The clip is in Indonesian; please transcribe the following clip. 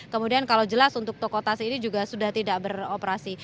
kemudian kalau jelas untuk toko tas ini juga sudah tidak beroperasi